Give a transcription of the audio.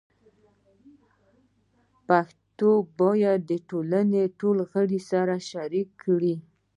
پښتو باید د ټولنې ټول غړي سره شریک کړي.